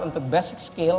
untuk basic skill